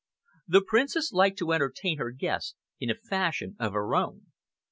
The Princess liked to entertain her guests in a fashion of her own.